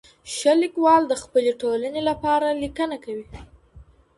ښه ليکوال د خپلي ټولني لپاره ليکنه کوي.